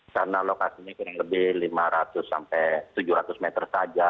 karena lokasinya kurang lebih lima ratus sampai tujuh ratus meter saja